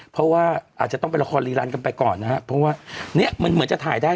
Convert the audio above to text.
เพราะว่าอาจจะต้องเป็นละครรีรันกันไปก่อนนะฮะเพราะว่าเนี่ยมันเหมือนจะถ่ายได้